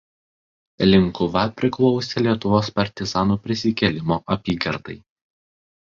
Linkuva priklausė Lietuvos partizanų Prisikėlimo apygardai.